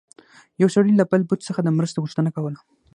یو سړي له یو بت څخه د مرستې غوښتنه کوله.